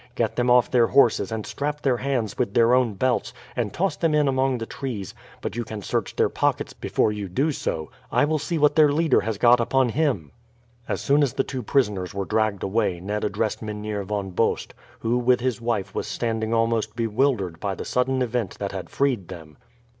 Get them off their horses, and strap their hands with their own belts, and toss them in among the trees; but you can search their pockets before you do so. I will see what their leader has got upon him." As soon as the two prisoners were dragged away Ned addressed Mynheer Von Bost, who with his wife was standing almost bewildered by the sudden event that had freed them.